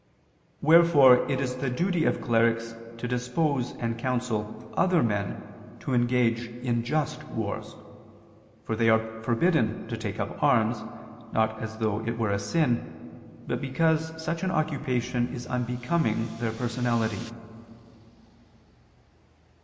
Wherefore it is the duty of clerics to dispose and counsel other men to engage in just wars. For they are forbidden to take up arms, not as though it were a sin, but because such an occupation is unbecoming their personality.